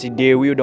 ntar lo juga tau